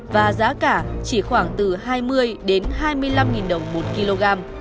và giá cả chỉ khoảng từ hai mươi đến hai mươi năm đồng một kg